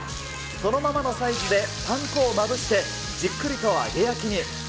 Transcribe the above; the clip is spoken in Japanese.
そのままのサイズでパン粉をまぶして、じっくりと揚げ焼きに。